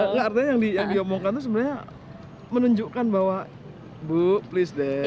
nggak artinya yang diomongkan itu sebenarnya menunjukkan bahwa bu please deh kan gitu